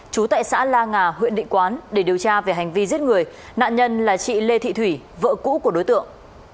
chú tại xã la nga huyện định quán để điều tra về hành vi giết người nạn nhân là chị lê thị thủy vợ cũ của đối tượng